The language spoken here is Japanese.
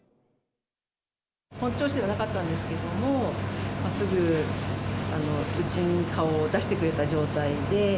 本調子じゃなかったんですけども、すぐうちに顔を出してくれた状態で。